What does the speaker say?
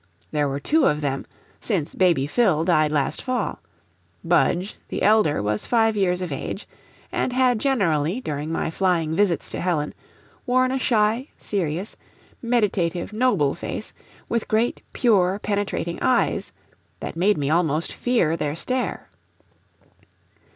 There were two of them, since Baby Phil died last fall; Budge, the elder, was five years of age, and had generally, during my flying visits to Helen, worn a shy, serious, meditative, noble face, with great, pure, penetrating eyes, that made me almost fear their stare.